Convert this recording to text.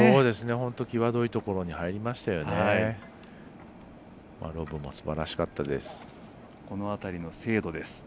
本当に際どいところに入りましたよね。